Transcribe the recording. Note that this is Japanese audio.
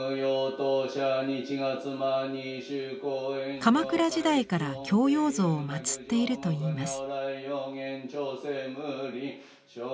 鎌倉時代から孝養像を祭っているといいます。